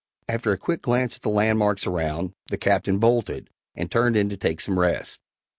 After a quick glance at the landmarks around, the Captain bolted, and turned in to take some rest.